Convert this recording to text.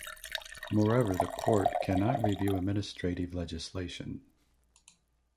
Moreover, the court cannot review administrative legislation.